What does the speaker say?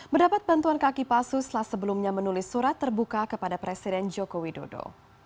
mendapat bantuan kaki palsu setelah sebelumnya menulis surat terbuka kepada presiden joko widodo